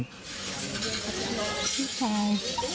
พี่พาย